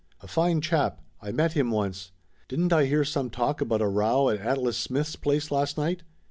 "A fine chap I met him once. Didn't I hear some talk about a row at Atlas Smith's place last night